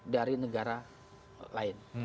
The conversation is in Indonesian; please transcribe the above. dari negara lain